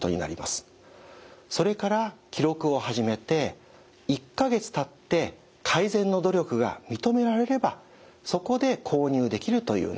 それから記録を始めて１か月たって改善の努力が認められればそこで購入できるという流れです。